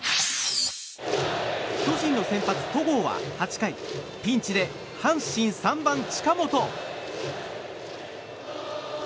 巨人の先発、戸郷は８回ピンチで阪神、３番、近本。